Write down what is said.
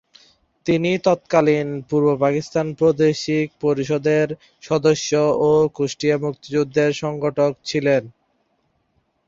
তিনি তৎকালীন পূর্বপাকিস্তান প্রাদেশিক পরিষদের সদস্য ও কুষ্টিয়ার মুক্তিযুদ্ধের সংগঠক ছিলেন।